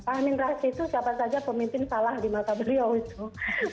pak amin rais itu siapa saja pemimpin salah di mata beliau itu